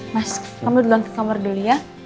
mas kamu dulu ke kamar dulu ya